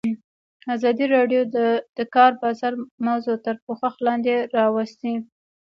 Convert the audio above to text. ازادي راډیو د د کار بازار موضوع تر پوښښ لاندې راوستې.